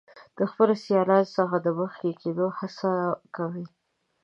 د خپلو سیالانو څخه د مخکې کیدو هڅه کوي.